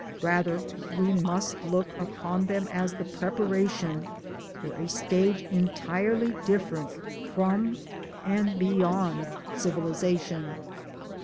Rather we must look upon them as the preparation for a stage entirely different from and beyond Civi lization.